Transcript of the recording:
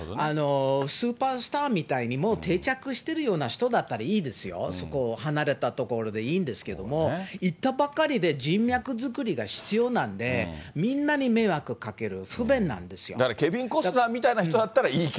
スーパースターみたいに、もう定着してるような人だったらいいですよ、そこを離れた所でいいんですけども、行ったばっかりで人脈作りが必要なんで、みんなに迷惑だからケビン・コスナーみたそうそう。